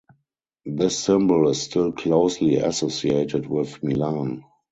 This symbol is still closely associated with Milan.